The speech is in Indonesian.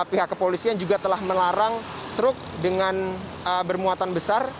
pihak kepolisian juga telah melarang truk dengan bermuatan besar